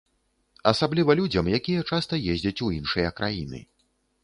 Асабліва людзям, якія часта ездзяць у іншыя краіны.